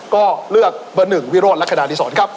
ก็เลือกเบอร์๑วิโรธและขนาดที่สองครับ